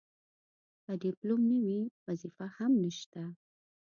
که ډیپلوم نه وي وظیفه هم نشته.